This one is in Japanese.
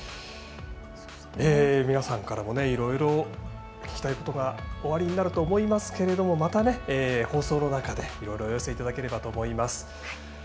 皆さんからもいろいろ聞きたいことがおありかもしれませんけどまた、放送の中でいろいろお寄せいただければと思います。